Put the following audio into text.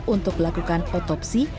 untuk melakukan otopsi